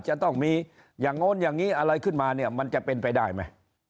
จะต้องมีอย่างโน้นอย่างนี้อะไรขึ้นมาเนี่ยมันจะเป็นไปได้ไหม